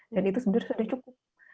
dan itu sebenarnya sudah cukup